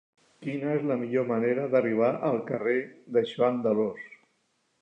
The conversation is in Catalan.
Quina és la millor manera d'arribar al carrer de Joan d'Alòs?